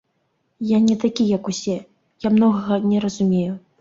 Я не такі як усе, я многага не разумею.